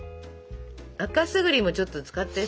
赤すぐりもちょっと使って。